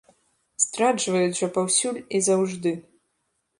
Здраджваюць жа паўсюль і заўжды.